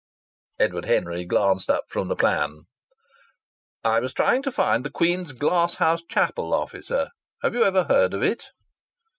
Edward Henry glanced up from the plan. "I was trying to find the Queen's Glasshouse Chapel, officer," said he. "Have you ever heard of it?"